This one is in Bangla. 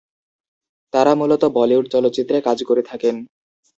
তারা মূলত বলিউড চলচ্চিত্রে কাজ করে থাকেন।